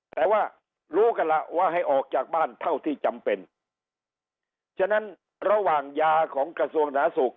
แต่ว่ารู้กันล่ะว่าให้ออกจากบ้านเท่าที่จำเป็นฉะนั้นระหว่างยาของกระทรวงสาธารณสุข